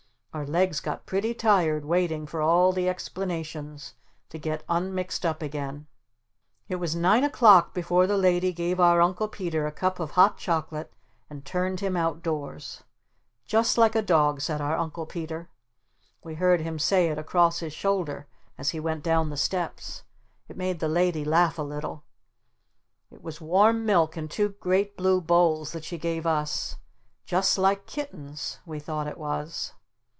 Our legs got pretty tired waiting for all the explanations to get un mixed up again. It was nine o'clock before the Lady gave our Uncle Peter a cup of hot chocolate and turned him out doors. "Just like a dog," said our Uncle Peter. We heard him say it across his shoulder as he went down the steps. It made the Lady laugh a little. It was warm milk in two great blue bowls that she gave us. "Just like kittens," we thought it was!